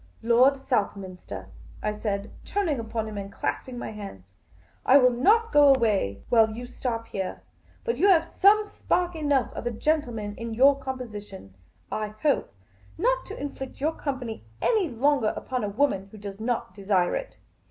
Lord Southminster," I said, turning upon him and clasping my hands, '' I will not go away while you stop here. But you have some spark enough of a gentleman in your composi tion, I hope, not to inflict your company any longer upon a woman who does not desire it.